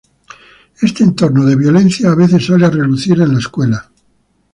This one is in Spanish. Este entorno de violencia a veces sale a relucir en la escuela.